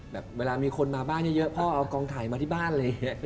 แบบเวลามีคนมาบ้านเยอะพ่อเอากองถ่ายมาที่บ้านอะไรอย่างนี้